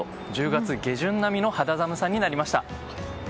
１０月下旬並みの肌寒さとなりました。